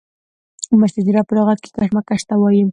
مشاجره په لغت کې کشمکش ته وایي.